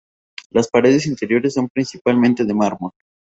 Las paredes interiores son principalmente de mármol.